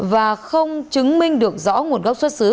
và không chứng minh được rõ nguồn gốc xuất xứ